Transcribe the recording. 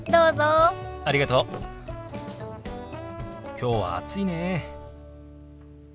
きょうは暑いね。